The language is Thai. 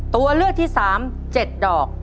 ตัวเลือกที่๓๗ดอก